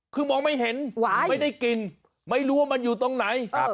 คือมองไม่เห็นไม่ได้กลิ่นไม่รู้ว่ามันอยู่ตรงไหน